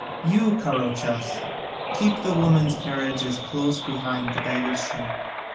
You, Carouchas, keep the women's carriages close behind the baggage train.